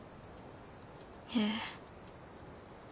ええ。